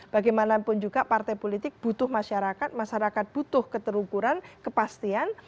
bagaimanapun juga partai politik butuh masyarakat masyarakat butuh keterukuran kepastian